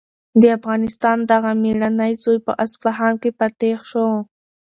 د افغانستان دغه مېړنی زوی په اصفهان کې فاتح شو.